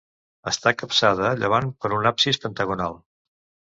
Està capçada a llevant per un absis pentagonal.